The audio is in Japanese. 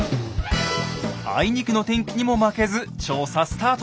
あいにくの天気にも負けず調査スタート！